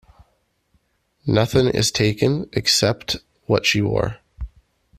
Nothing is taken except what she wore.